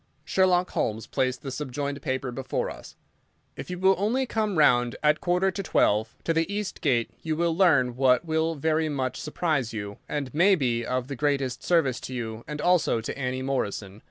Sherlock Holmes placed the subjoined paper before us. piece of paper If you will only come round at quarter to twelve to the east gate you will learn what will very much surprise you and maybe be of the greatest service to you and also to Annie Morrison.